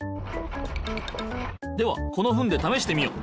ではこのフンでためしてみよう。